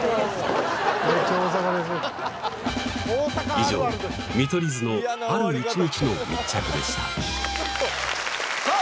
以上見取り図のある１日の密着でしたさあ